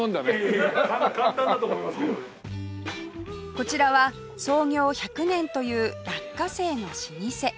こちらは創業１００年という落花生の老舗